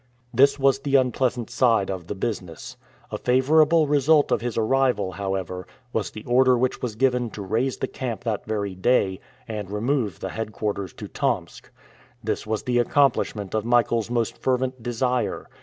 This was the unpleasant side of the business. A favorable result of his arrival, however, was the order which was given to raise the camp that very day, and remove the headquarters to Tomsk. This was the accomplishment of Michael's most fervent desire.